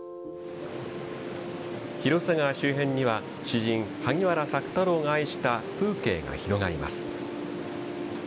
広瀬川周辺には詩人・萩原朔太郎が愛した風景が広がります。